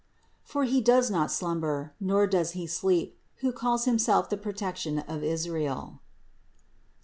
For He does not slumber, nor does He sleep, who calls Himself the protection of Israel (Ps.